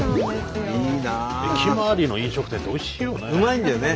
駅周りの飲食店っておいしいよね。